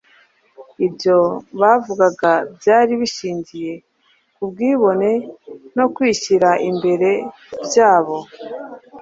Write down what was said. Ibyo bavugaga byari bishingiye ku bwibone no kwishyira imbere byabo